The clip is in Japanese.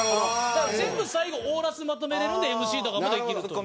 だから全部最後オーラスまとめられるんでＭＣとかもできると。